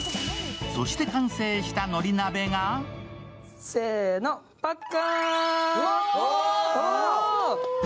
そして完成したのり鍋がせーの、パッカーン。